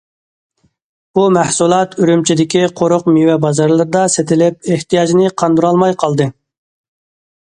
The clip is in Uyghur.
بۇ مەھسۇلات ئۈرۈمچىدىكى قۇرۇق مېۋە بازارلىرىدا سېتىلىپ ئېھتىياجنى قاندۇرالماي قالدى.